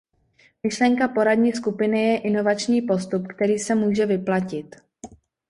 Myšlenka poradní skupiny je inovační postup, který se může vyplatit.